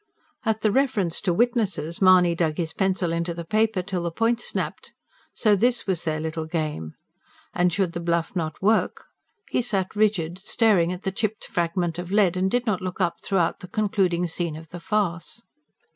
At the reference to witnesses, Mahony dug his pencil into the paper till the point snapped. So this was their little game! And should the bluff not work ...? He sat rigid, staring at the chipped fragment of lead, and did not look up throughout the concluding scene of the farce.